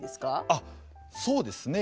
あっそうですね。